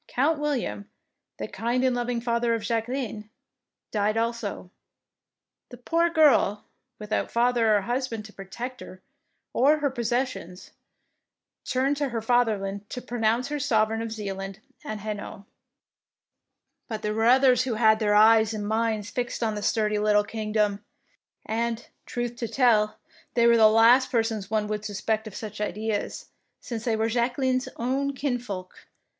Count William, the kind and loving father of Jacqueline, died also. The poor girl, without father or husband to protect her or her posses sions, turned to her Fatherland to pro nounce her sovereign of Zealand and Hainault. 60 THE PRINCESS WINS But there were others who had their eyes and minds fixed on the sturdy little kingdom, and, truth to tell, they were the last persons one would sus pect of such ideas, since they were Jacqueline's own kinsfolk.